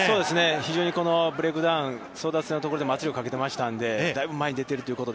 非常にこのブレイクダウン、争奪戦のところで圧力かけてましたので、だいぶ前に出ているというところで。